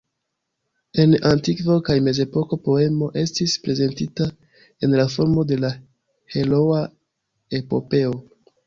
En antikvo kaj mezepoko poemo estis prezentita en la formo de heroa epopeo.